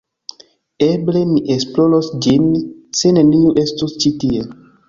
Eble mi esploros ĝin, se neniu estus ĉi tie.